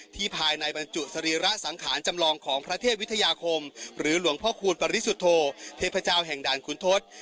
ภายในบรรจุสรีระสังขารจำลองของพระเทพวิทยาคมหรือหลวงพ่อคูณปริสุทธโธเทพเจ้าแห่งด่านคุณทศ